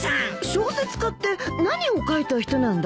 小説家って何を書いた人なんだ？